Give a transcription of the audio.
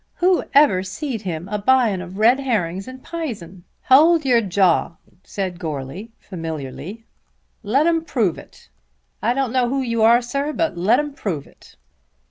Who ever seed him a' buying of red herrings and p'ison?" "Hold your jaw," said Goarly, familiarly. "Let 'em prove it. I don't know who you are, sir; but let 'em prove it."